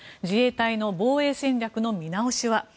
自衛隊の防衛戦略の見直しは。